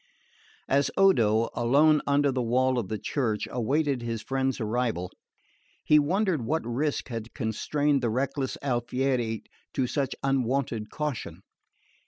As Odo, alone under the wall of the church, awaited his friend's arrival, he wondered what risk had constrained the reckless Alfieri to such unwonted caution.